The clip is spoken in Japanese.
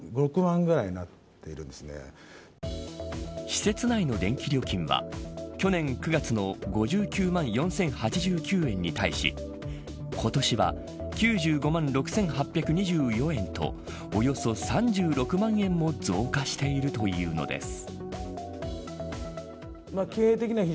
施設内の電気料金は去年９月の５９万４０８９円に対し今年は９５万６８２４円とおよそ３６万円も増加しているというのです。